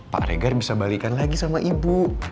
pak regar bisa balikan lagi sama ibu